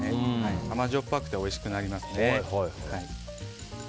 甘じょっぱくておいしくなります。